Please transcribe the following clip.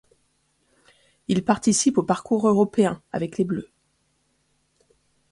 Il participe au parcours européen avec les Bleus.